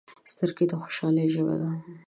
سترګې د خوشحالۍ ژبه ده